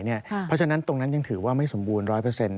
เพราะฉะนั้นตรงนั้นยังถือว่าไม่สมบูรณ๑๐๐